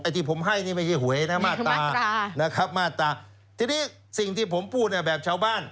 ที่ผมให้นี่ไม่ใช่หวยนะมาตรานะครับมาตราทีนี้สิ่งที่ผมพูดแบบชาวบ้าน